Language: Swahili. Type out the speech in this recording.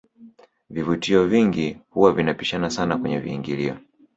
vivutio vingi huwa havipishani sana kwenye viingilio